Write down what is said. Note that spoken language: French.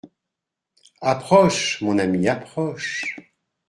Approche, mon ami, approche…